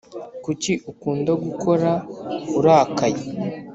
kuki ukunda guhora urakaye